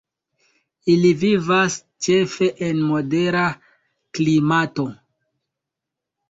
Ili vivas ĉefe en modera klimato.